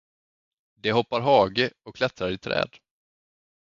De hoppar hage och klättrar i träd.